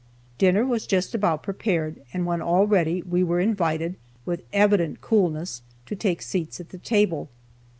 Dinner was just about prepared, and when all was ready, we were invited, with evident coolness, to take seats at the table.